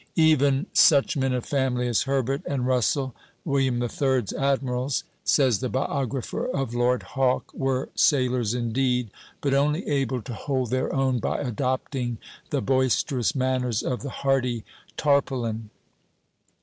Even "such men of family as Herbert and Russell, William III.'s admirals," says the biographer of Lord Hawke, "were sailors indeed, but only able to hold their own by adopting the boisterous manners of the hardy tarpaulin."